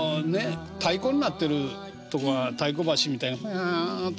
太鼓になってるとこが太鼓橋みたいにふわんとこう。